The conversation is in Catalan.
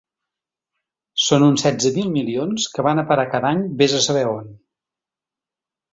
Són uns setze mil milions que van a parar cada any vés a saber on.